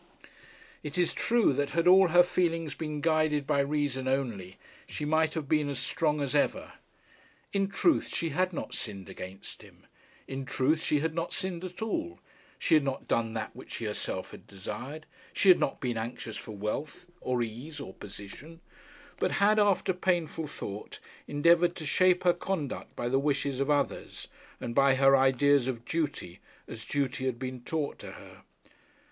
It is true that had all her feelings been guided by reason only, she might have been as strong as ever. In truth she had not sinned against him. In truth she had not sinned at all. She had not done that which she herself had desired. She had not been anxious for wealth, or ease, or position; but had, after painful thought, endeavoured to shape her conduct by the wishes of others, and by her ideas of duty, as duty had been taught to her.